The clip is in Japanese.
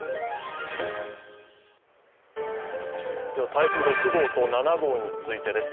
台風６号と７号についてです。